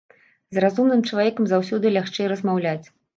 З разумным чалавекам заўсёды лягчэй размаўляць.